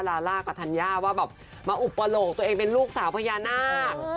ลาล่ากับธัญญาว่าแบบมาอุปโหลกตัวเองเป็นลูกสาวพญานาค